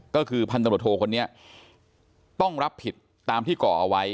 ก็คือพันตำรวจโทคนนี้ต้องรับผิดตามที่ก่อเอาไว้